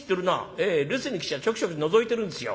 「ええ留守に来ちゃちょくちょくのぞいてるんですよ」。